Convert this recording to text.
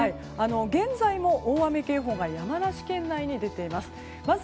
現在も大雨警報が山梨県内に出ています。